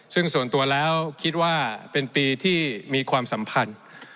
ซึ่งส่วนตัวแล้วคิดว่าเป็นปีที่มีความสัมพันธ์